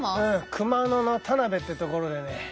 熊野の田辺って所でね